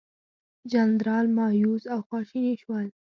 جنرالان مأیوس او خواشیني شول.